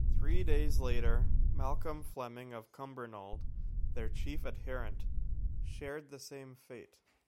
Three days later Malcolm Fleming of Cumbernauld, their chief adherent, shared the same fate.